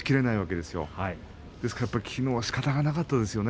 ですから、きのうはしかたがなかったですね。